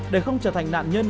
để không trở thành nạn nhân